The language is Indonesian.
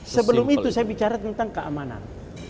sebelum itu saya bicara tentang keamanan